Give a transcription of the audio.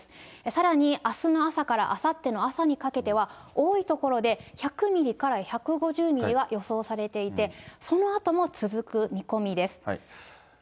さらにあすの朝からあさっての朝にかけては、多い所で１００ミリから１５０ミリが予想されていて、そのあとも続く見込みです。